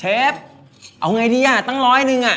เอาไงดีอ่ะตั้งร้อยหนึ่งอ่ะ